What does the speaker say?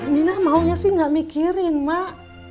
mina maunya sih gak mikirin mak